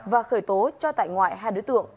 và khởi tố cho tại ngoại hai đối tượng